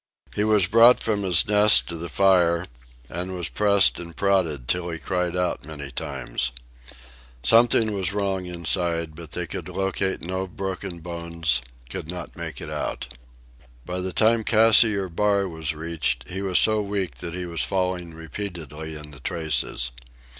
He was brought from his nest to the fire and was pressed and prodded till he cried out many times. Something was wrong inside, but they could locate no broken bones, could not make it out. By the time Cassiar Bar was reached, he was so weak that he was falling repeatedly in the traces.